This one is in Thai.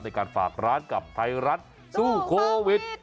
ในการฝากร้านกับไทยรัฐสู้โควิด